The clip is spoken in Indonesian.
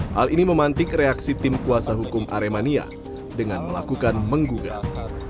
hal ini memantik reaksi tim kuasa hukum aremania dengan melakukan menggugat